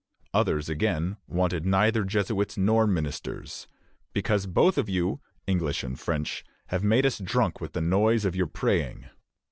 Others, again, wanted neither Jesuits nor ministers, "because both of you [English and French] have made us drunk with the noise of your praying."